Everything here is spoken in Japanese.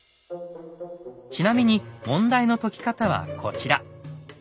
ちなみに問題の解き方はこちら。